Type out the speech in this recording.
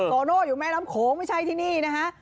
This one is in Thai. โตนะล่ะอยู่เมียลำขงไม่ใช่ที่นี่นะครับ